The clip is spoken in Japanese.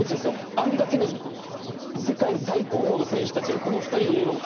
あれだけの世界最高峰の選手たちがこの２人を見守る。